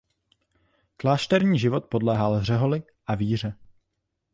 Klášterní život podléhal řeholi a víře.